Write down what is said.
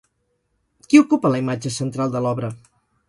Qui ocupa la imatge central de l'obra?